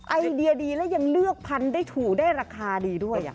ไอเดียดีและยังเลือกพันธุ์ได้ถูกได้ราคาดีด้วย